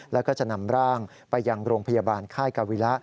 แล้วก็จะนำร่างไปยังโรงพยาบาลค่ายกาวิระ